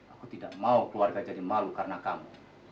aku tidak mau keluarga jadi malu karena kamu